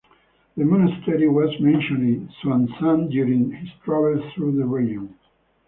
The monastery was mentioned Xuanzang during his travels through the region.